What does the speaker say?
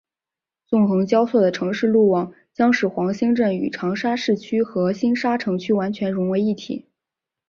纵横交错的城市路网将使黄兴镇与长沙市区和星沙城区完全融为一体。